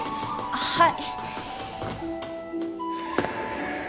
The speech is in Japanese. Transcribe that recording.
はい